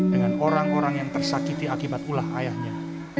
dengan orang orang yang tersakiti akibat ulah ayahnya